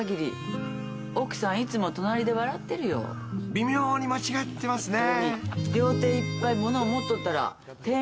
［微妙に間違ってますね］